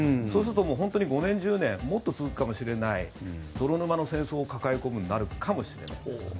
そうすると本当に５年１０年もっと続くかもしれない泥沼の戦争を抱え込むようになるかもしれない。